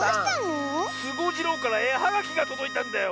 スゴジロウからえはがきがとどいたんだよ。